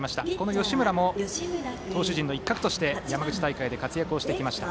吉村も、投手陣の一角として山口大会で活躍してきました。